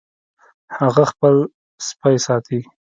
هغه خپل سپی ساتي